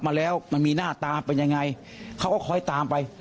มาแล้วมันมีหน้าตาเป็นยังไงเขาก็คอยตามไป